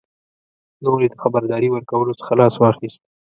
نور یې د خبرداري ورکولو څخه لاس واخیست.